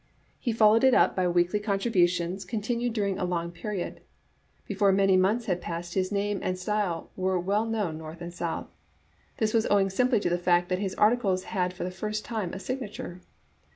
He followed it up by weekly contributions continued during a long period. Before many months had passed his name and style were well known north and south. This was ow ing simply to the fact that his articles had for the first time a signature.